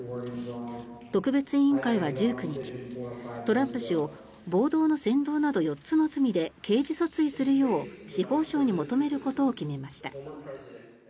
特別委員会は１９日トランプ氏を暴動の扇動など４つの罪で刑事訴追するよう司法省に求めることを決めました。